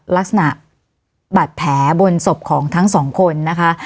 วันนี้แม่ช่วยเงินมากกว่า